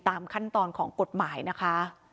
ตามขั้นตอนของกฎหมายนะคะ